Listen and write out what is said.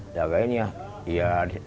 penjaga ini iya